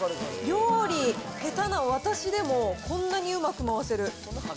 料理、下手な私でもこんなにうまく回せる。